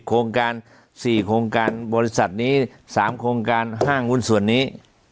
โครงการ๔โครงการบริษัทนี้๓โครงการห้างหุ้นส่วนนี้